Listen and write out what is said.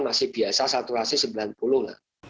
masih biasa saturasi sembilan puluh lah